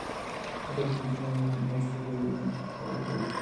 زده کړې نجونې د عامه ناستو ګډون پياوړی کوي.